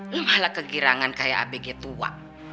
lu malah kegirangan kayak abg tua